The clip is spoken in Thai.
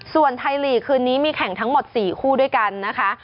ส่วนไทยลีกคืนนี้มีแข่งทั้งหมด๔คู่ด้วยกันนะคะ